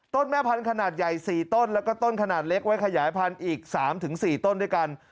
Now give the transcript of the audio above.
แม่พันธุ์ขนาดใหญ่๔ต้นแล้วก็ต้นขนาดเล็กไว้ขยายพันธุ์อีก๓๔ต้นด้วยกัน